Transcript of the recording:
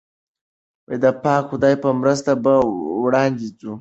د پاک خدای په مرسته به وړاندې ځو.